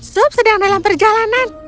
sup sedang dalam perjalanan